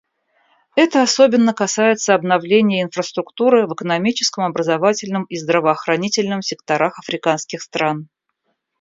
Это особенно касается обновления инфраструктуры в экономическом, образовательном и здравоохранительном секторах африканских стран.